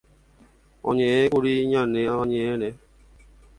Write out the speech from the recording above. oñe'ẽkuri ñane Avañe'ẽre